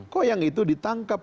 kok yang itu ditangkap